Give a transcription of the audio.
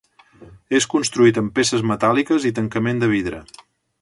És construït amb peces metàl·liques i tancament de vidre.